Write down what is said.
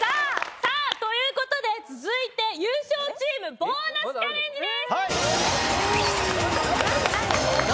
さあということで続いて優勝チームボーナスチャレンジです。